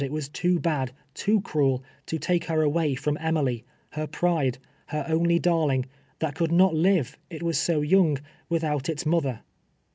it was too bad, too crnel, to take her away from Emily — her pride — her only darling, that could not live, it was so young, without its mother